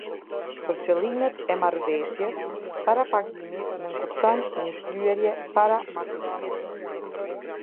Për qëllimet e Marrëveshjes, “Parapagimi' nënkupton një shlyerje para maturimit.